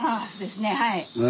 はい。